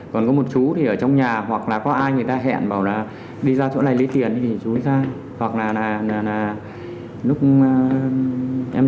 có một chú thì ở trong nhà hoặc là có ai người ta hẹn bảo là đi ra chỗ này lấy tiền thì chú ấy ra hoặc là lúc em rỗi thì em ra